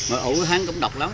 ổ hắn cũng độc lắm